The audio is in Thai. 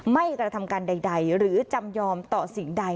กระทำการใดหรือจำยอมต่อสิ่งใด